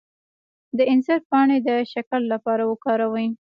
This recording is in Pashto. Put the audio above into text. د انځر پاڼې د شکر لپاره وکاروئ